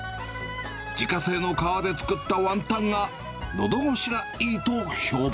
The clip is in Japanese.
自家製の皮で作ったワンタンがのど越しがいいと評判。